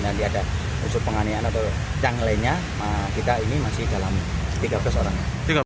nanti ada unsur penganiayaan atau yang lainnya kita ini masih dalam tiga belas orang